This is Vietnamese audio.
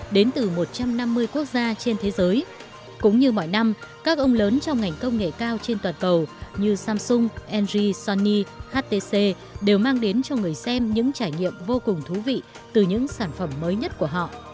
đến từ một trăm năm mươi quốc gia trên thế giới cũng như mọi năm các ông lớn trong ngành công nghệ cao trên toàn cầu như samsung sony htc đều mang đến cho người xem những trải nghiệm vô cùng thú vị từ những sản phẩm mới nhất của họ